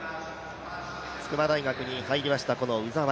筑波大学に入りました、この鵜澤。